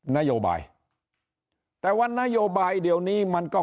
นโยบายแต่ว่านโยบายเดี๋ยวนี้มันก็